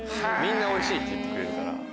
みんなおいしいって言ってくれるから。